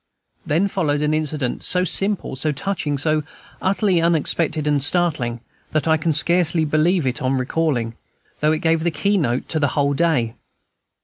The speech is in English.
Then followed an incident so simple, so touching, so utterly unexpected and startling, that I can scarcely believe it on recalling, though it gave the keynote to the whole day.